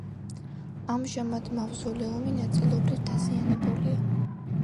ამჟამად მავზოლეუმი ნაწილობრივ დაზიანებულია.